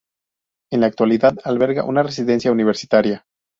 En la actualidad alberga una residencia universitaria.